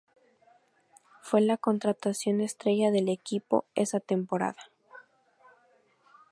Fue la contratación estrella del equipo esa temporada.